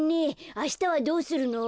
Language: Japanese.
あしたはどうするの？